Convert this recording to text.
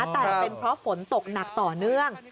แต่เป็นเพราะฝนตกหนักต่อเนื่อง